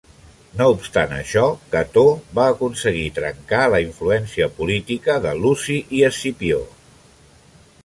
No obstant això, Cató va aconseguir trencar la influència política de Luci i Escipió.